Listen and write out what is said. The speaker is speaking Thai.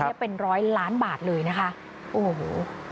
เนี่ยเป็นร้อยล้านบาทเลยนะคะโอ้โห